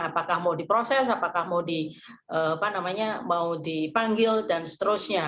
apakah mau diproses apakah mau dipanggil dan seterusnya